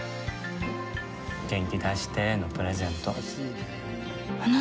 元気出してのプレゼント。